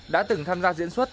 đã từng tham gia diễn xuất